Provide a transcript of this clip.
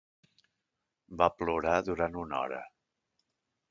Va plorar durant una hora.